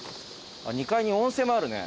２階に温泉もあるね。